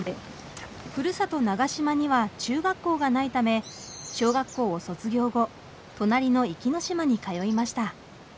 ふるさと長島には中学校がないため小学校を卒業後隣の壱岐島に通いました。